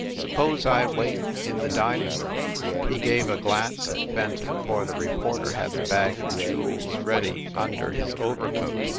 "Suppose I wait in the dining room." He gave a glance at Fenton, for the reporter had the bag of jewels ready under his overcoat.